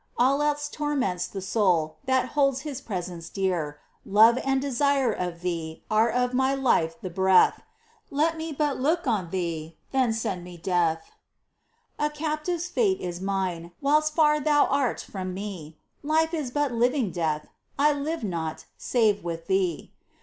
All else torments the soul That holds His Presence dear Love and desire of Thee Are of my life the breath ; Let me but look on Thee, Then send me death ! POEMS, 63 A captive's fate is mine. Whilst far Thou art from me ; Life is but living death, I live not, save with Thee.